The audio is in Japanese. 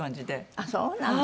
あっそうなの。